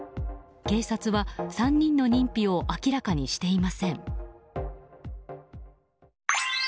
警察は３人の認否を明らかにしていません。